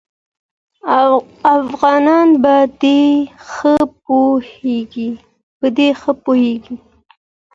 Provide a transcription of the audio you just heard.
افغانان په دې ښه پوهېږي.